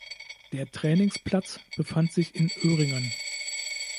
Der Trainingsplatz befand sich in Öhringen.